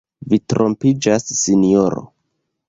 Vi trompiĝas, sinjoro.